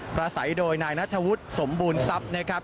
ประสัยโดยนายนัทวุฒิสมบูรณทรัพย์นะครับ